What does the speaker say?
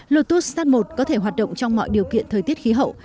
lotus start i có thể hoạt động trong mọi điều kiện thời tiết khí hậu